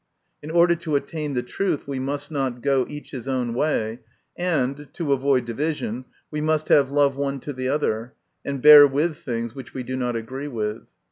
In order to attain the truth, we must not go each his own way; and, to avoid division, we must have love one to the other, and bear with things which we do not agree with.